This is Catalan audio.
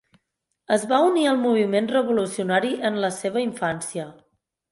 Es va unir al moviment revolucionari en la seva infància.